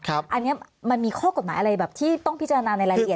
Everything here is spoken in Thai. อันนี้มันมีข้อกฎหมายอะไรแบบที่ต้องพิจารณาในรายละเอียด